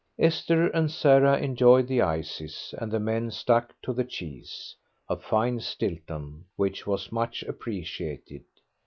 Esther and Sarah enjoyed the ices, and the men stuck to the cheese, a fine Stilton, which was much appreciated.